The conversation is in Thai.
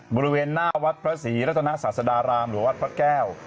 บริเวณหน้าวัดพระศรีรัตนศาสดารามหรือวัดพระแก้ว